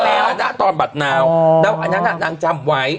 ใหม่มหาถ้อนาคตแล้วอันนั้นน่างจำไว้